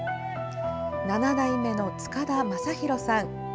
７代目の塚田真弘さん。